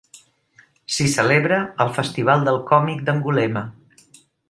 S'hi celebra el Festival del Còmic d'Angulema.